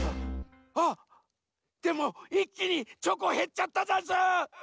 あっでもいっきにチョコへっちゃったざんす！